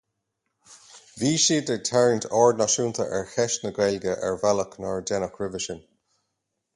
Bhí siad ag tarraingt aird náisiúnta ar cheist na Gaeilge ar bhealach nár déanadh roimhe sin.